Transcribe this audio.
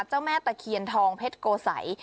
เจ้าแม่ตะเคียนทองเพชรโกสัย